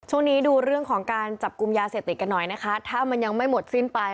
ช่วงนี้ดูเรื่องของการจับกลุ่มยาเสพติดกันหน่อยนะคะถ้ามันยังไม่หมดสิ้นไป